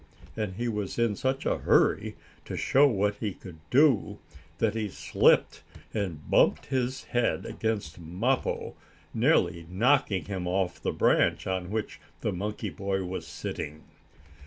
and he was in such a hurry to show what he could do that he slipped, and bumped his head against Mappo, nearly knocking him off the branch on which the monkey boy was sitting.